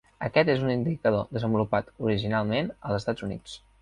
Aquest és un indicador desenvolupat originalment als Estats Units.